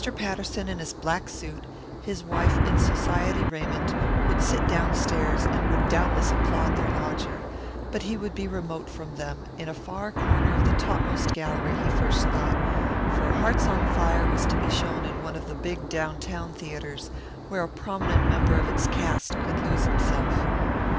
Patterson in his black suit, his wife in society raiment, would sit downstairs and would doubtless applaud their lodger; but he would be remote from them; in a far corner of the topmost gallery, he first thought, for Hearts on Fire was to be shown in one of the big down town theatres where a prominent member of its cast could lose himself.